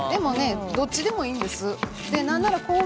どっちでもいいです。